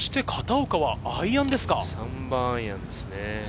３番アイアンですね。